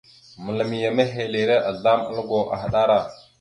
Məlam ya mehelire azlam algo ahəɗara.